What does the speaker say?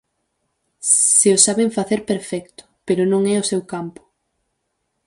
Se o saben facer, perfecto, pero non é o seu campo.